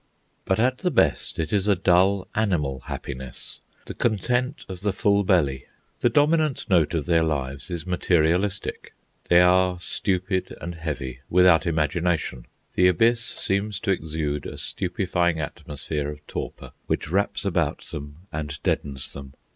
But at the best, it is a dull, animal happiness, the content of the full belly. The dominant note of their lives is materialistic. They are stupid and heavy, without imagination. The Abyss seems to exude a stupefying atmosphere of torpor, which wraps about them and deadens them.